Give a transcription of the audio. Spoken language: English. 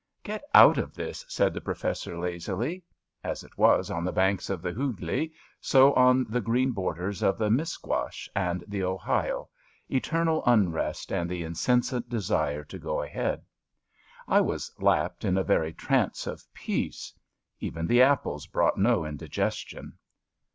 ^* Get out of this/* said the Professor lazily. As it was on the banks of the Hughli, so on the green borders of the Musquash and the Ohio — eternal unrest, and the insensate desire to go ahead. I was lapped in a very trance of peace. Even the apples brought no indigestion.